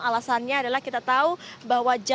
alasannya adalah kita tahu bahwa jalur darurat